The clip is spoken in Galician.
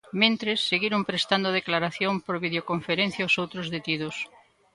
Mentres, seguiron prestando declaración por videoconferencia os outros detidos.